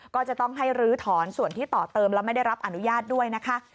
ก็จะต้องให้ลื้อถอนส่วนที่ต่อเติมและไม่ได้รับอนุญาตด้วยนะคะ